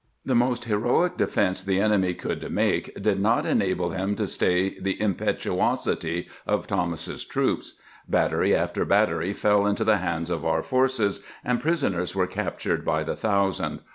The most heroic defense the enemy could make did not enable him to stay the impetuosity of Thomas's troops. Battery after battery fell into the hands of our forces, and pris oners were captured by the thousand.